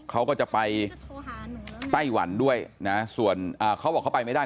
เขาก็จะไปไต้หวันด้วยนะส่วนอ่าเขาบอกเขาไปไม่ได้